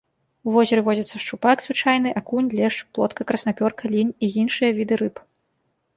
У возеры водзяцца шчупак звычайны, акунь, лешч, плотка, краснапёрка, лінь і іншыя віды рыб.